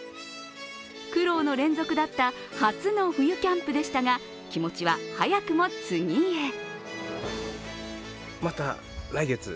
苦労の連続だった初の冬キャンプでしたが、気持ちは早くも次へ。